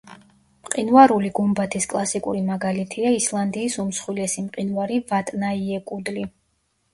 მყინვარული გუმბათის კლასიკური მაგალითია ისლანდიის უმსხვილესი მყინვარი ვატნაიეკუდლი.